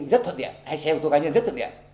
rất thuận điện hay xe của tôi cá nhân rất thuận điện